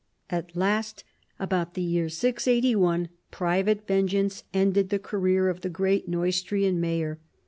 At last about the year 681 private vengeance ended the career of the great N^eustrian Mayor.